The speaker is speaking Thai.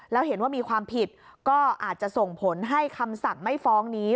แล้วเห็นว่ามีความผิดก็อาจจะส่งผลให้คำสั่งไม่ฟ้องนี้